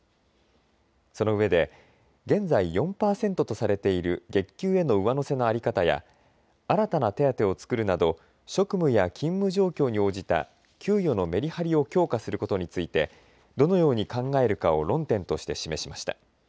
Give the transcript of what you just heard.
そのうえで現在４％とされている月給への上乗せの在り方や新たな手当を作るなど職務や勤務状況に応じた給与のめりはりを強化することについてどのように考えるかを論点として示しました。